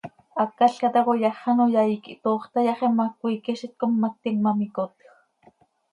Hácalca tacoi hax ano yaii quih toox tayaxi ma, cmiique z itcommactim ma, micotj.